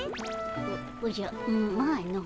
おおじゃまあの。